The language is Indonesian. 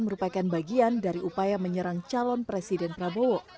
merupakan bagian dari upaya menyerang calon presiden prabowo